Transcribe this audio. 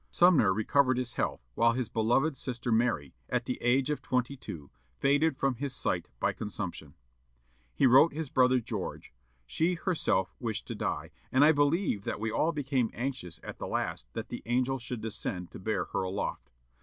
Sumner recovered his health, while his beloved sister Mary, at the age of twenty two, faded from his sight by consumption. He wrote his brother George: "She herself wished to die; and I believe that we all became anxious at last that the angel should descend to bear her aloft.